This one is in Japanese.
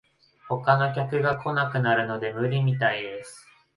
他の客が来なくなるので無理みたいです